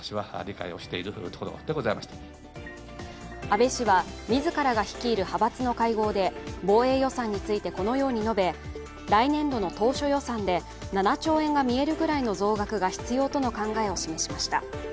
安倍氏は自らが率いる派閥の会合で防衛予算についてこのように述べ、来年度の当初予算で、７兆円が見えるぐらいの増額が必要との考えを示しました。